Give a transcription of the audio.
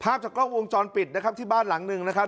ภาพจากกล้องวงจรปิดนะครับที่บ้านหลังหนึ่งนะครับ